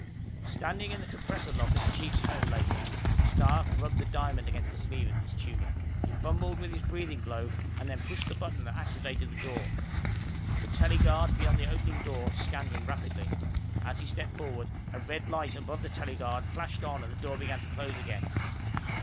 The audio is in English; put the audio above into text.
Standing in the compressor lock at the Chief's home later, Stark rubbed the diamond against the sleeve of his tunic. He fumbled with his breathing globe and then pushed the button that activated the door. The tele guard beyond the opening door scanned him rapidly. As he stepped forward, a red light above the tele guard flashed on and the door began to close again.